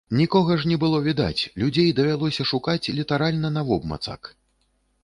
Нікога ж не было відаць, людзей давялося шукаць літаральна навобмацак.